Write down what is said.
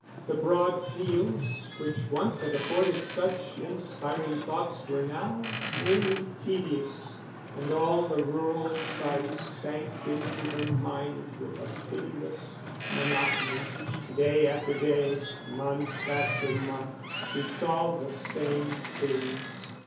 The broad fields which once had afforded such inspiring thoughts were now merely tedious, and all the rural sights sank into her mind with a pitiless monotony; day after day, month after month, she saw the same things.